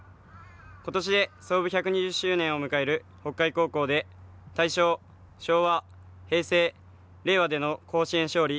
ことしで創部１２０周年を迎える北海高校で大正、昭和、平成、令和での甲子園勝利。